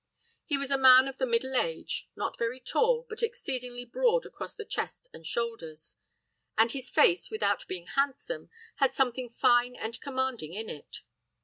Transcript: He was a man of the middle age, not very tall, but exceedingly broad across the chest and shoulders; and his face, without being handsome, had something fine and commanding in it.